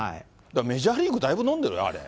メジャーリーグだいぶ飲んでるよ、あれ。